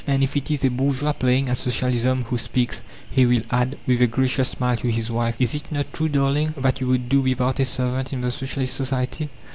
And if it is a bourgeois playing at Socialism who speaks, he will add, with a gracious smile to his wife: "Is it not true, darling, that you would do without a servant in the Socialist society?